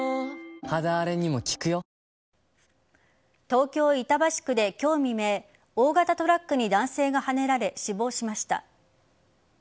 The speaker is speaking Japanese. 東京・板橋区で今日未明大型トラックに男性がはねられ死亡しました。